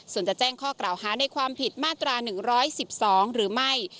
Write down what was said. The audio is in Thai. ส่วนจะแจ้งข้อกล่าวหาในความผิดมาตรา๑๑๒หรือไม่